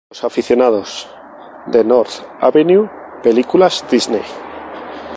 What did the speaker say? Los aficionados de North Avenue Películas Disney.